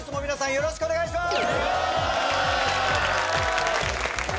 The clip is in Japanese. よろしくお願いします